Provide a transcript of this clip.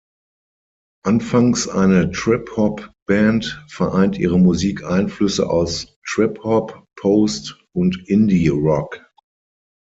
Anfangs eine Trip-Hop-Band, vereint ihre Musik Einflüsse aus Trip-Hop, Post- und Indie-Rock.